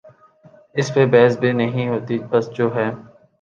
اس پہ بحث بھی نہیں ہوتی بس جو ہے۔